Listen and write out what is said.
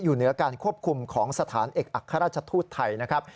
เหนือการควบคุมของสถานเอกอัครราชทูตไทยนะครับ